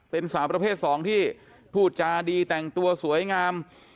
เป็นสาวประเภทสองที่พูดจาดีแต่งตัวสวยงาม